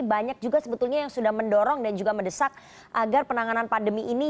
banyak juga sebetulnya yang sudah mendorong dan juga mendesak agar penanganan pandemi ini